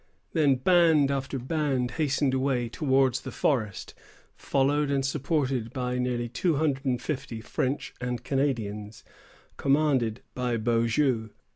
Then band after band hastened away towards the forest, followed and supported by nearly two hundred and fifty French and Canadians, commanded by Beaujeu.